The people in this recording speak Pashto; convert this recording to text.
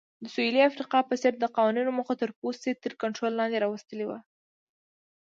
د سویلي افریقا په څېر د قوانینو موخه تورپوستي تر کنټرول لاندې راوستل وو.